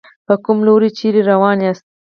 په کوم لوري چېرې روان ياستئ.